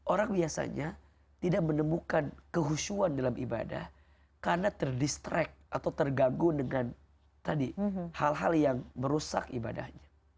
orang biasanya tidak menemukan kehusuan dalam ibadah karena terdistract atau terganggu dengan tadi hal hal yang merusak ibadahnya